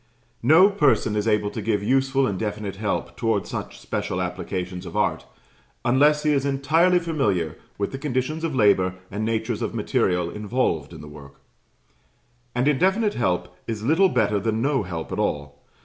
No person is able to give useful and definite help towards such special applications of art, unless he is entirely familiar with the conditions of labour and natures of material involved in the work; and indefinite help is little better than no help at all.